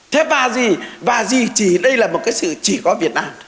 thế và gì và gì chỉ đây là một cái sự chỉ có việt nam